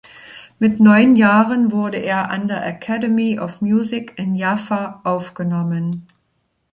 Mit neun Jahren wurde er an der Academy of Music in Jaffa aufgenommen.